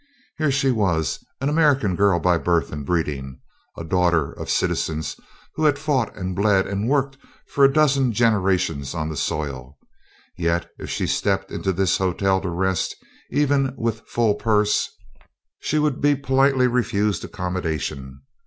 Here she was, an American girl by birth and breeding, a daughter of citizens who had fought and bled and worked for a dozen generations on this soil; yet if she stepped into this hotel to rest, even with full purse, she would be politely refused accommodation.